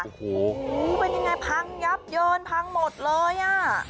โอ้โหเป็นยังไงพังยับเยินพังหมดเลยอ่ะ